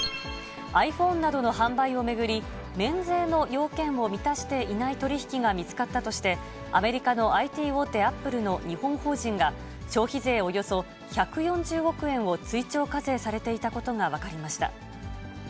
ｉＰｈｏｎｅなどの販売を巡り、免税の要件を満たしていない取り引きが見つかったとして、アメリカのＩＴ大手、アップルの日本法人が、消費税およそ１４０億円を追徴課税されていたことが分かりました。